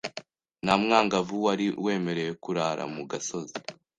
nta mwangavu wari wemerewe kurara mu gasozi